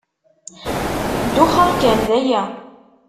Duxeɣ kan, d aya.